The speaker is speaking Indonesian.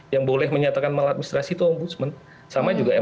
yang boleh menyatakan maladministrasi itu ombudsman